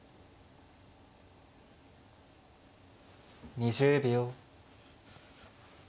２０秒。